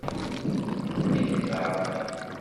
Ad ibarek di leεmeṛ-im!